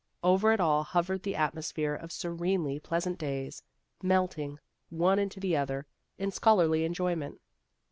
Over it all hovered the atmosphere of serenely pleasant days, melting one into the other in scholarly enjoyment.